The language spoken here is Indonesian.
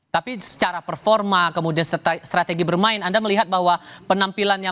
tapi secara performa kemudian strategi bermain anda melihat bahwa penampilannya